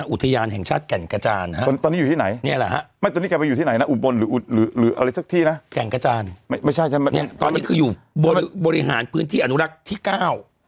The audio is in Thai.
อุทยานแห่งชาติแก่งกระจานตอนนี้อยู่ที่ไหนอุบลหรืออะไรสักที่นะแก่งกระจานตอนนี้คืออยู่บริหารพื้นที่อนุรักษ์ที่เก้า